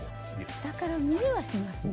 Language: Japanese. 下から見えはしますね。